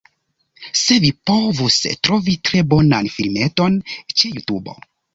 Se vi povus trovi tre bonan filmeton ĉe Jutubo